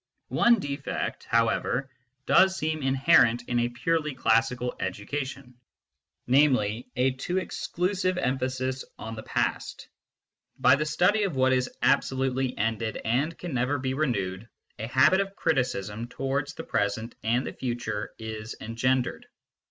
One defect, however, does seem inherent in a purely classical education namely, a too exclusive emphasis on the past. By the study of what is absolutely ended and can never be renewed, a habit of criticism towards the present and the future is engendered.